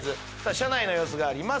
車内の様子があります